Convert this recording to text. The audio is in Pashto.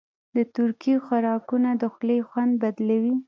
د ترکي خوراکونه د خولې خوند بدلوي.